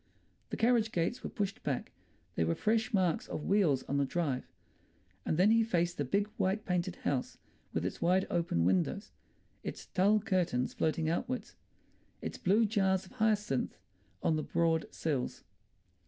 The carriage gates were pushed back; there were fresh marks of wheels on the drive. And then he faced the big white painted house, with its wide open windows, its tulle curtains floating outwards, its blue jars of hyacinths on the broad sills.